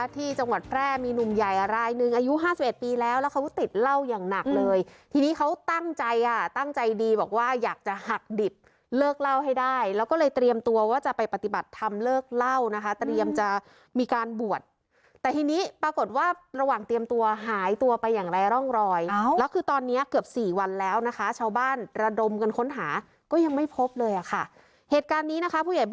ติดเล่าอย่างหนักเลยทีนี้เขาตั้งใจอ่ะตั้งใจดีบอกว่าอยากจะหักดิบเลิกเล่าให้ได้แล้วก็เลยเตรียมตัวว่าจะไปปฏิบัติทำเลิกเล่านะคะเตรียมจะมีการบวชแต่ทีนี้ปรากฏว่าระหว่างเตรียมตัวหายตัวไปอย่างไรร่องรอยแล้วคือตอนนี้เกือบสี่วันแล้วนะคะชาวบ้านระดมกันค้นหาก็ยังไม่พบเลยอ่ะค่ะเหตุการณ์นี้นะคะผู้ใหญ่บ